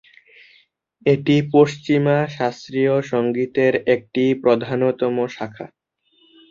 এটি পশ্চিমা শাস্ত্রীয় সঙ্গীতের একটি প্রধানতম শাখা।